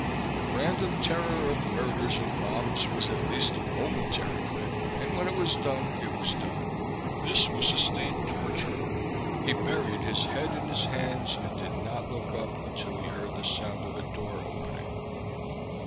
The random terror of murders and bombs was at least a momentary thing, and when it was done it was done. This was sustained torture. He buried his head in his hands and did not look up until he heard the sound of a door opening.